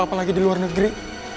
apalagi di luar negeri